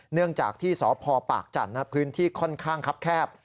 เนื่องจากที่สพปากจันทร์พื้นที่ค่อนข้างคับแคบ